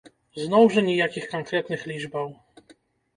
Зноў жа ніякіх канкрэтных лічбаў!